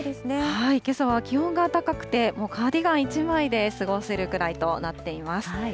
けさは気温が高くて、カーディガン１枚で過ごせるくらいとなっています。